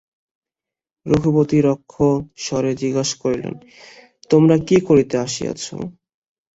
রঘুপতি রুক্ষস্বরে জিজ্ঞাসা করিলেন, তোমরা কী করিতে আসিয়াছ?